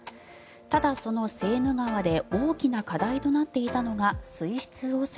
ただ、そのセーヌ川で大きな課題となっていたのが水質汚染。